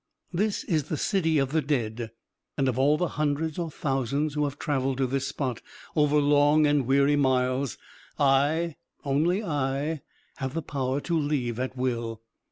This is the city of the dead, and of all the hundreds or thousands who have traveled to this spot over long and weary miles, I, only I, have the power to leave at will.